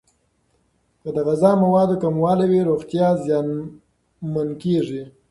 که د غذا موادو کموالی وي، روغتیا زیانمن کیږي.